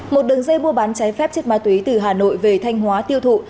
một đường dây mua bán trái phép chất ma túy từ hà nội về thanh hóa tiêu thụ